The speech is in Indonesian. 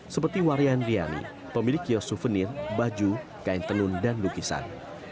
seperti warian riani pemilik kios souvenir baju kain tenun dan lukisan